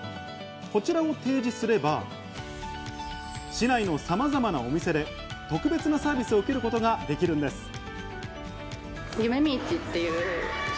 こちらを提示すれば市内のさまざまなお店で特別なサービスを受けることができるんです。